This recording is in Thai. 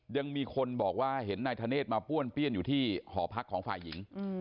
ยังมีคนบอกว่าเห็นนายธเนธมาป้วนเปี้ยนอยู่ที่หอพักของฝ่ายหญิง